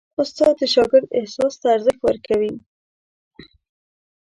استاد د شاګرد احساس ته ارزښت ورکوي.